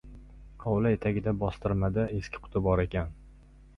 Hovli etagidagi bostir- mada eski quti bor ekan.